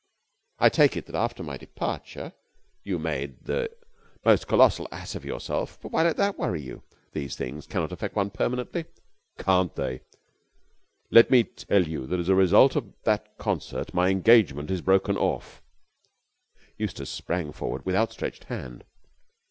I take it that after my departure you made the most colossal ass of yourself, but why let that worry you? These things cannot affect one permanently." "Can't they? Let me tell you that as a result of that concert my engagement is broken off." Eustace sprang forward with outstretched hand.